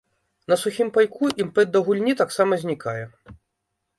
На сухім пайку імпэт да гульні таксама знікае.